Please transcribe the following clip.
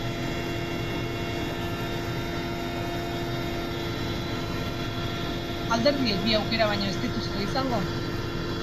Alderdiek bi aukera baino ez dituzte izango.